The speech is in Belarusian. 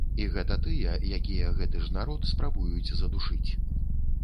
І гэта тыя, якія гэты ж народ спрабуюць задушыць.